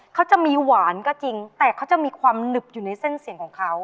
เขาจะมีหวานก็จริงแต่เขาจะมีความหนึบอยู่ในเส้นเสียงของเขา